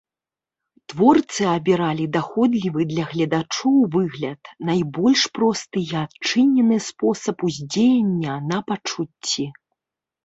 Творцы абіралі даходлівы для гледачоў выгляд, найбольш просты і адчынены спосаб уздзеяння на пачуцці.